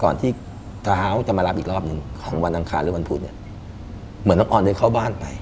ก่อนที่เท้าจะมารับอีกรอบหนึ่งของวันอังคารหรือวันพุธเนี่ยเหมือนน้องออนได้เข้าบ้านไป